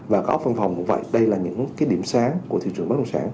và có phân phòng cũng vậy đây là những điểm sáng của thị trường bất động sản